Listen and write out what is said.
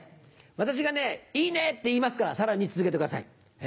私がね「いいね」って言いますからさらに続けてください。